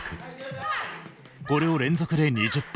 これを連続で２０本。